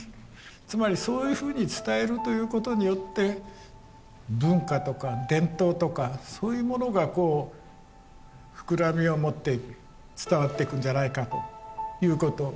つまりそういうふうに伝えるということによって文化とか伝統とかそういうものがこう膨らみを持って伝わっていくんじゃないかということ。